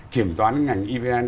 kiểm toán ngành evn